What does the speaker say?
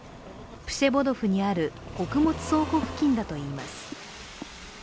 プシェボドフにある穀物倉庫付近だといいます